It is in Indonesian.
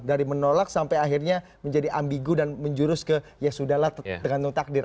dari menolak sampai akhirnya menjadi ambigu dan menjurus ke ya sudah lah dengan takdir